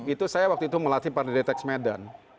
itu saya waktu itu melatih pardireteks medan